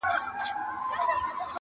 نه یې پای ته رسېدل اوږده بحثونه-